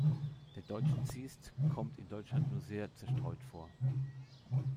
Der Deutsche Ziest kommt in Deutschland nur sehr zerstreut vor.